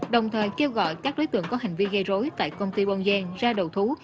đồng thời kêu gọi các đối tượng có hành vi gây rối tại công ty bon giang ra đầu thú